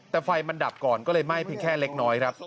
แต่ไฟมันดับก่อนก็เลยไหม้เพียงแค่เล็กน้อยครับ